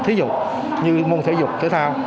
thí dụ như môn thể dục thể thao